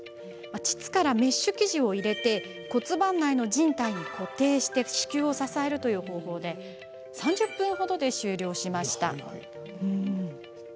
膣からメッシュ生地を入れ骨盤内のじん帯に固定して子宮を支える方法で３０分ほどで終了しました。